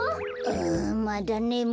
あまだねむい。